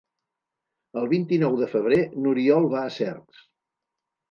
El vint-i-nou de febrer n'Oriol va a Cercs.